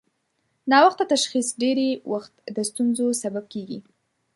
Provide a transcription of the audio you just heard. ناوخته تشخیص ډېری وخت د ستونزو سبب کېږي.